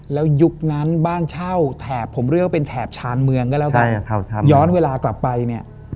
แล้วยุคนั้นบ้านเช่าแถบผมเรียกว่าเป็นแถบชานเมืองได้แล้วกัน